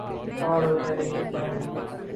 پہاڑ ہوں یا ریگستان